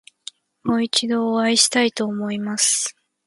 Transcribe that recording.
もう一度お会いしたいと思っています。